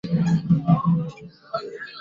首都叶里温以南没有铁路交通。